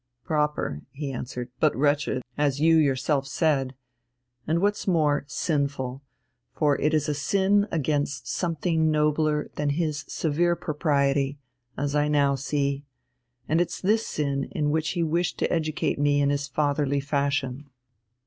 "Proper," he answered, "but wretched, as you yourself said, and what's more, sinful, for it is a sin against something nobler than his severe propriety, as I now see, and it's this sin in which he wished to educate me in his fatherly fashion.